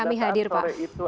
pada saat sore itu